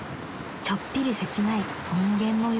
ちょっぴり切ない人間模様］